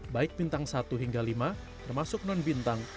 baik bintang satu hingga lima termasuk non bintang